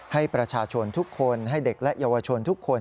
ให้ประชาชนทุกคนให้เด็กและเยาวชนทุกคน